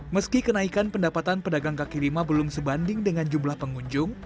meski kenaikan pendapatan pedagang kaki lima belum sebanding dengan jumlah pengunjung